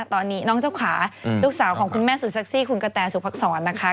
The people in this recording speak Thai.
ตอนนี้น้องเจ้าขาลูกสาวของคุณแม่สุดเซ็กซี่คุณกะแตสุภักษรนะคะ